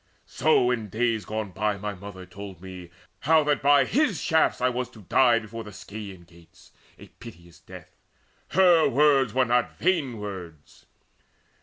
So in days gone by My mother told me how that by his shafts I was to die before the Scaean Gates A piteous death. Her words were not vain words."